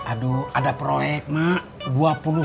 aduh ada proyek mak